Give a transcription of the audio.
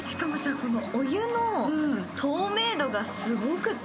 このお湯の透明度がすごくて・